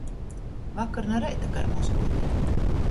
Vakar nu reita kai mozguoti.